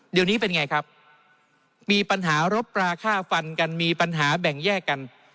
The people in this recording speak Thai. เดี๋ยวนี้เป็นไงครับมีปัญหารบปลาค่าฟันกันมีปัญหาแบ่งแยกกัน